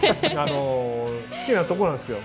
好きなところなんですよ。